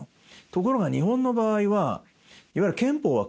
ところが日本の場合はいわゆる憲法は変わった。